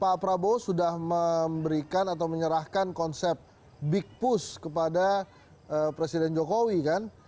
pak prabowo sudah memberikan atau menyerahkan konsep big push kepada presiden jokowi kan